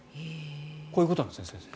こういうことなんですね先生。